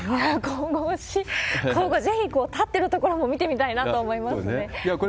神々しい、ぜひ立ってるところも見てみたいなと思いますね。